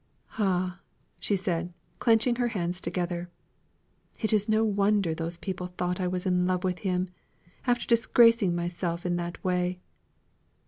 Ah!" said she, clenching her hands together, "it is no wonder those people thought I was in love with him, after disgracing myself in that way.